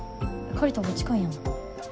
借りたほうが近いやん。